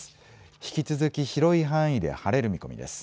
引き続き広い範囲で晴れる見込みです。